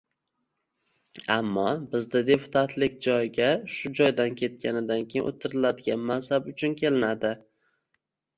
Ammo bizda deputatlik joyiga shu joydan ketganidan keyin o‘tiriladigan mansab uchun kelinadi.